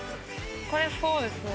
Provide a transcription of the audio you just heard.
これそうですね。